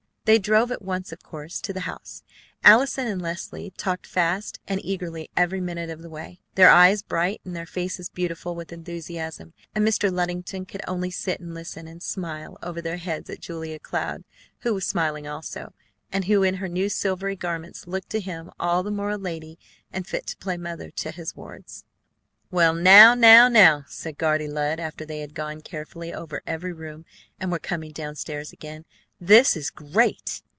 They drove at once, of course, to the house, Allison and Leslie talking fast and eagerly every minute of the way, their eyes bright and their faces beautiful with enthusiasm; and Mr. Luddington could only sit and listen, and smile over their heads at Julia Cloud, who was smiling also, and who in her new silvery garments looked to him all the more a lady and fit to play mother to his wards. "Well, now, now, now!" said Guardy Lud after they had gone carefully over every room and were coming down stairs again. "This is great!